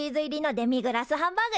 デミグラスハンバーグ。